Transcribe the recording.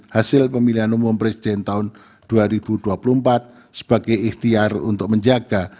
hasil pemilihan umum presiden tahun dua ribu dua puluh empat sebagai ikhtiar untuk menjaga